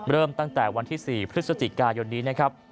เริ่มตั้งแต่วันที่๔พฤศจิกายนนี้นะครับ